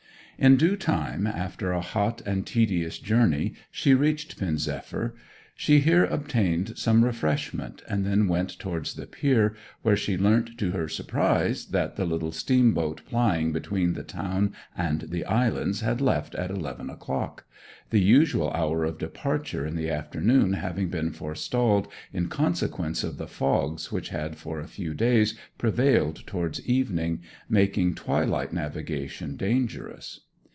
In due time, after a hot and tedious journey, she reached Pen zephyr. She here obtained some refreshment, and then went towards the pier, where she learnt to her surprise that the little steamboat plying between the town and the islands had left at eleven o'clock; the usual hour of departure in the afternoon having been forestalled in consequence of the fogs which had for a few days prevailed towards evening, making twilight navigation dangerous.